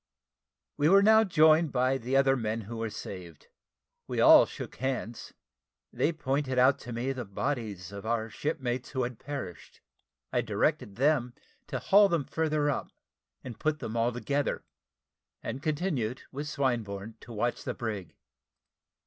We were now joined by the other men who were saved. We all shook hands. They pointed out to me the bodies of our shipmates who had perished. I directed them to haul them further up, and put them altogether; and continued, with Swinburne, to watch the brig.